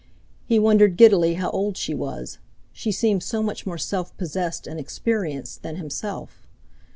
He wondered giddily how old she was—she seemed so much more self possessed and experienced than himself.